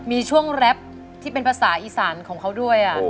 มีช่วงแรปที่เป็นภาษาอีสานของเขาด้วย